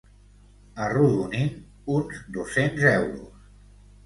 Arrodonint, uns dos-cents euros.